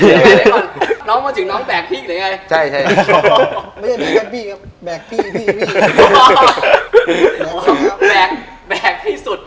คือโอเคเราอาจจะไม่ใช่ใครแบกใคร